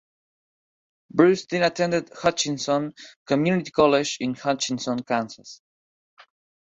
Bruce then attended Hutchinson Community College in Hutchinson, Kansas.